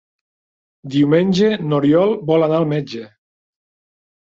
Diumenge n'Oriol vol anar al metge.